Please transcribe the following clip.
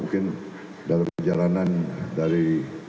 mungkin dalam perjalanan dari